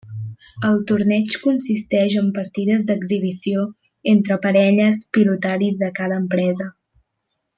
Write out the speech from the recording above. El torneig consisteix en partides d'exhibició entre parelles pilotaris de cada empresa.